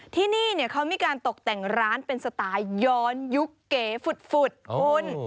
ที่นี่เขามีการตกแต่งร้านเป็นสไตล์ย้อนยุคเก๋ฝุดคุณ